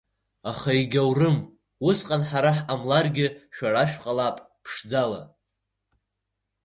Аха егьаурым, усҟан ҳара ҳҟамларгьы шәара шәҟалап ԥшӡала.